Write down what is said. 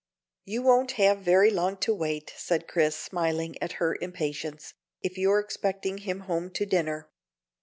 "You won't have very long to wait," said Chris, smiling at her impatience, "if you're expecting him home to dinner."